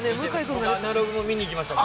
僕、「アナログ」見に行きました。